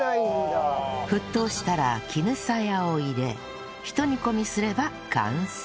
沸騰したら絹さやを入れひと煮込みすれば完成